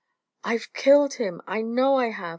"I've killed him! I know I have!"